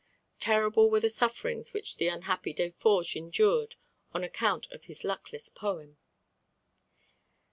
Terrible were the sufferings which the unhappy Deforges endured on account of his luckless poem.